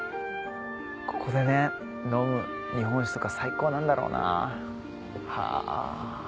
ここで飲む日本酒とか最高なんだろうなぁはぁ。